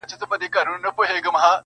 • نه یو بل موږک پرېږدي و خپلي خواته,